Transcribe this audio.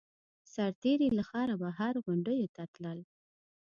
سرتېري له ښاره بهر غونډیو ته تلل